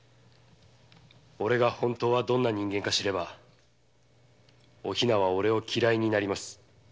おれが本当はどんな人間か知ればお比奈はおれを嫌いになります。